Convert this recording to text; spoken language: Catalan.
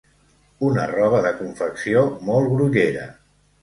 Una roba de confecció molt grollera.